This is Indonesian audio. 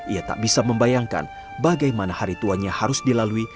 ia tak bisa membayangkan bagaimana hari tuanya harus dilalui